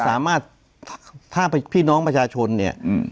สามารถถ้าพี่น้องประชาชนเนี่ย